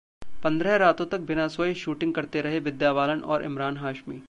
पंद्रह रातों तक बिना सोए शूटिंग करते रहे विद्या बालन और इमरान हाशमी